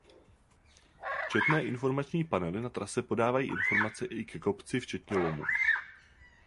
Četné informační panely na trase podávají informace i ke kopci včetně lomu.